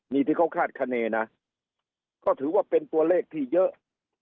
นี่ที่เขาคาดคณีนะก็ถือว่าเป็นตัวเลขที่เยอะ